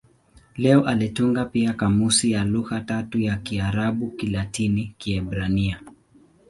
Leo alitunga pia kamusi ya lugha tatu za Kiarabu-Kilatini-Kiebrania.